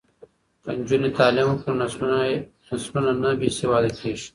که نجونې تعلیم وکړي نو نسلونه نه بې سواده کیږي.